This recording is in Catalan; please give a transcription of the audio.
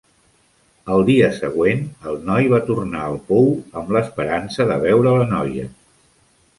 El dia següent el noi va tornar al pou amb l'esperança de veure la noia.